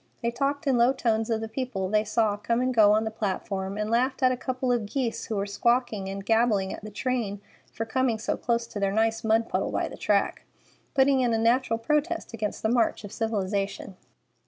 They talked in low tones of the people they saw come and go on the platform, and laughed at a couple of geese who were squawking and gabbling at the train for coming so close to their nice mud puddle by the track, putting in a natural protest against the march of civilization.